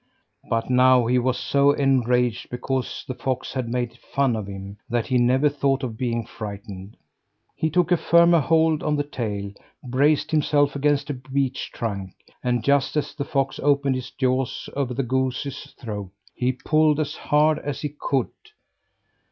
But now he was so enraged because the fox had made fun of him, that he never thought of being frightened. He took a firmer hold on the tail, braced himself against a beech trunk; and just as the fox opened his jaws over the goose's throat, he pulled as hard as he could.